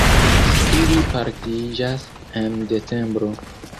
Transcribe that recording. Ili pariĝas en decembro.